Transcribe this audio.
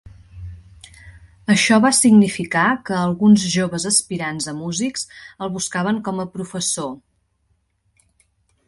Això va significar que alguns joves aspirants a músics el buscaven com a professor.